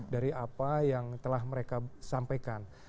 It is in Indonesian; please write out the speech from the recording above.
dari apa yang telah mereka sampaikan